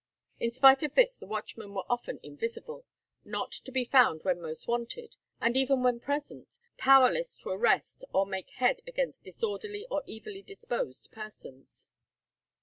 In spite of this the watchmen were often invisible; not to be found when most wanted, and even when present, powerless to arrest or make head against disorderly or evilly disposed persons.